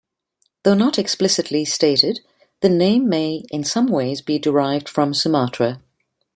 Though not explicitly stated, the name may in some ways be derived from Sumatra.